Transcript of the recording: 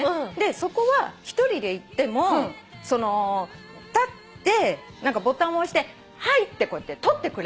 そこは１人で行っても立ってボタン押してはいってこうやって撮ってくれて。